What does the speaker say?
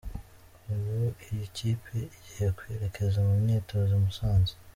Ubu iyi kipe igiye kwerekeza mu myitozo i Musanze.